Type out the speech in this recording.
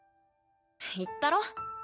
言ったろ？